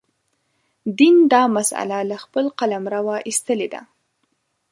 دین دا مسأله له خپل قلمروه ایستلې ده.